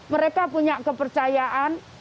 mereka punya kepercayaan